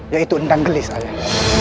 yaitu endang gelis ayah